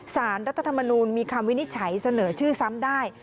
สารรัฐธรรมนูลมีคำวินิจฉัยเสนอชื่อซ้ำได้